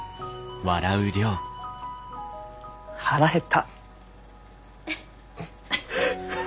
腹減った。